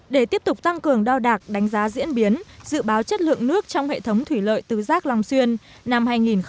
để tiếp tục tăng cường đo đạc đánh giá diễn biến dự báo chất lượng nước trong hệ thống thủy lợi tứ giác long xuyên năm hai nghìn hai mươi